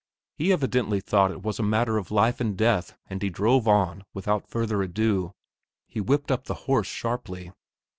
He evidently thought it was a matter of life and death, and he drove on, without further ado. He whipped up the horse sharply.